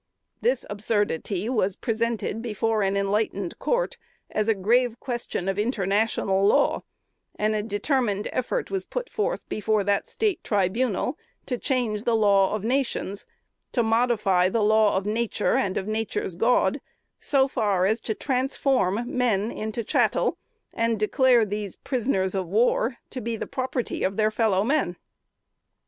This absurdity was presented before an enlightened court as a grave question of international law; and a determined effort was put forth before that State tribunal to change the law of nations; to modify the law of Nature and of Nature's God, so far as to transform men into chattels, and declare these prisoners of war to be the property of their fellow men.